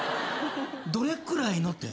「どれくらいの」って。